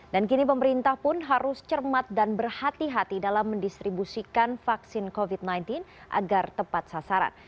dan kini pemerintah pun harus cermat dan berhati hati dalam mendistribusikan vaksin covid sembilan belas agar tepat sasaran